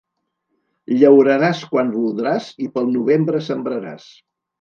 Llauraràs quan voldràs i pel novembre sembraràs.